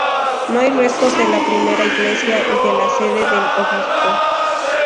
No hay restos de la primera iglesia y de la sede del obispo.